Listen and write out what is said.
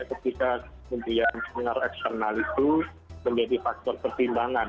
ketika kemudian pengaruh eksternal itu menjadi faktor pertimbangan